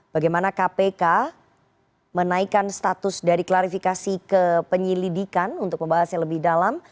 bagaimana kpk menaikkan status dari klarifikasi ke penyelidikan untuk membahasnya lebih dalam